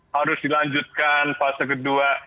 harus dilanjutkan fase kedua